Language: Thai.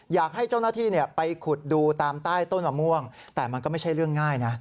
อยากให้เจ้าหน้าที่ไปขุดดูตามใต้ต้นมะม่วงแต่มันก็ไม่ใช่เรื่องง่ายนะ